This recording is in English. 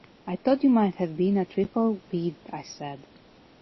"I thought you might have been a trifle peeved," I said.